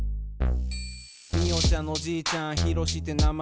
みよちゃんのおじいちゃんひろしって名前。